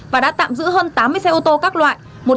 và đã tạm giữ hơn tám mươi xe ô tô các loại